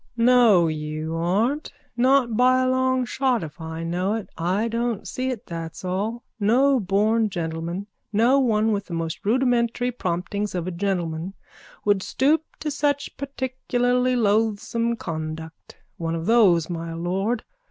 _ No, you aren't. Not by a long shot if I know it. I don't see it, that's all. No born gentleman, no one with the most rudimentary promptings of a gentleman would stoop to such particularly loathsome conduct. One of those, my lord.